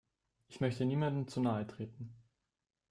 Ich möchte niemandem zu nahe treten.